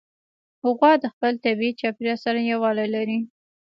غوا د خپل طبیعي چاپېریال سره یووالی لري.